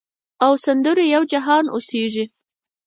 او سندرو یو جهان اوسیږې